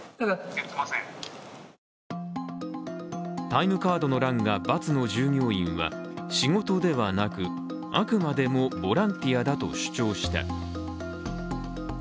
タイムカードの欄が×の従業員は仕事ではなく、あくまでもボランティアだと主張した。